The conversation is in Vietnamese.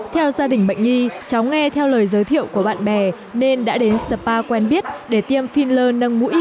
theo gia đình bệnh nhi cháu nghe theo lời giới thiệu của bạn bè nên đã đến spa quen biết để tiêm filler nâng mũi